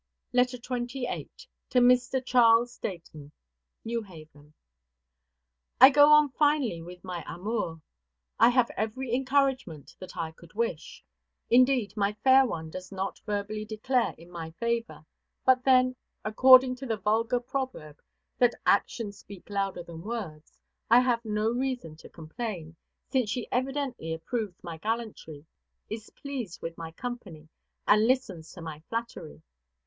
LETTER XXVIII. TO MR. CHARLES DEIGHTON. NEW HAVEN. I go on finely with my amour. I have every encouragement that I could wish. Indeed my fair one does not verbally declare in my favor; but then, according to the vulgar proverb, that "actions speak louder than words," I have no reason to complain; since she evidently approves my gallantry, is pleased with my company, and listens to my flattery.